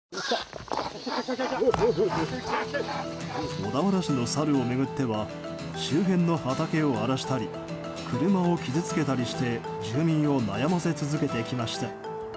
小田原市のサルを巡っては周辺の畑を荒らしたり車を傷つけたりして住民を悩ませ続けてきました。